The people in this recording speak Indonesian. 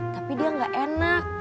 tapi dia gak enak